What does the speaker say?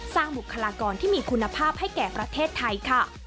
บุคลากรที่มีคุณภาพให้แก่ประเทศไทยค่ะ